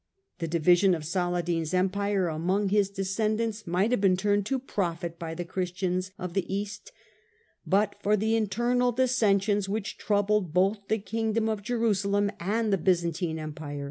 The division of Saladin's Empire among his descendants might have been turned to profit by the Christians of the East, but for the internal dissensions which troubled botli the kingdom of Jerusalem and the Byzantine Empire.